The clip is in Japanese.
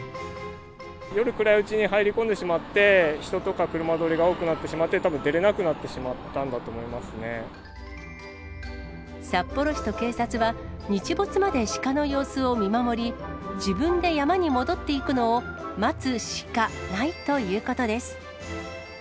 夜暗いうちに入り込んでしまって、人とか車通りが多くなってしまって、たぶん出れなくなって札幌市と警察は、日没までシカの様子を見守り、自分で山に戻っていくのを待つしかないということです。